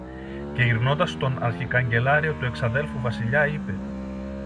Και γυρνώντας στον αρχικαγκελάριο του εξαδέλφου Βασιλιά είπε